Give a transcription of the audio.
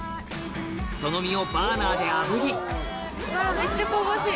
その身をバーナーであぶりわめっちゃ香ばしい。